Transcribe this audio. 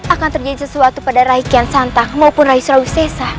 akan terjadi sesuatu pada rai kian santan maupun rai surawi sese